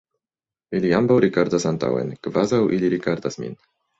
Ili ambaŭ rigardas antaŭen, kvazaŭ ili rigardas min.